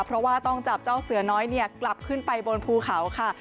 เพราะว่าต้องจับเจ้าเสือน้อยกลับขึ้นไปบนภูเขาค่ะ